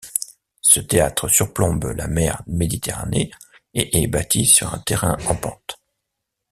Ce théâtre surplombe la mer Méditerranée et est bâti sur un terrain en pente.